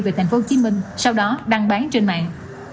về tp hcm sau đó đăng bán trên mạng